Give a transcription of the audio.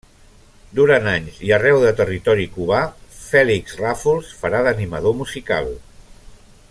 Durant anys i arreu de territori cubà, Fèlix Ràfols farà d'animador musical.